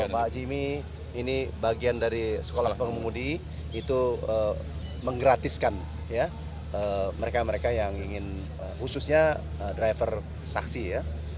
pak jimmy ini bagian dari sekolah pengemudi itu menggratiskan mereka mereka yang ingin khususnya driver taksi ya